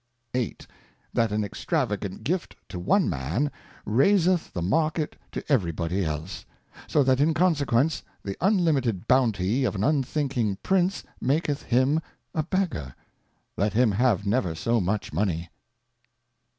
8. That an extravagant Gift to one Man, raiseth the Market to every body else ; so that in consequence, the unlimited Bounty of an unthinking Prince maketh him a Beggar, let him have never so much Money.